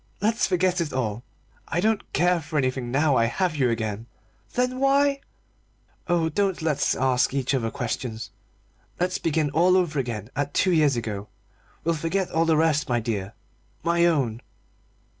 Let's forget it all. I don't care for anything now I have you again." "Then why " "Oh, don't let's ask each other questions let's begin all over again at two years ago. We'll forget all the rest my dear my own!"